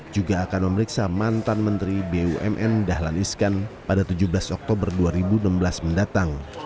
juga akan memeriksa mantan menteri bumn dahlan iskan pada tujuh belas oktober dua ribu enam belas mendatang